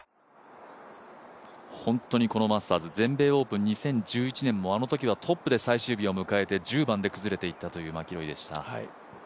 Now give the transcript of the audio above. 本当にこのマスターズ、全米オープン、去年１１月もあのときはトップで最終日を迎えて１０番で崩れていったというマキロイでした。